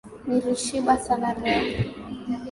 Nilishiba sana leo.